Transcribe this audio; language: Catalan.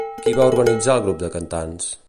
Qui va organitzar el grup de cantants?